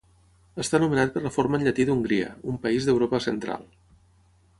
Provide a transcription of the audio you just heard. Està anomenat per la forma en llatí d'Hongria, un país d'Europa central.